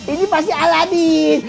ini pasti aladin